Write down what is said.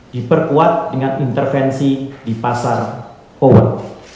diperkuat dengan intervensi di pasar kowet